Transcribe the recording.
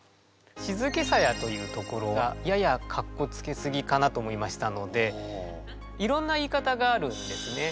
「静けさや」というところがややかっこつけすぎかなと思いましたのでいろんな言い方があるんですね。